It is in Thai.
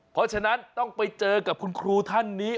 เพราะฉะนั้นต้องไปเจอกับคุณครูท่านนี้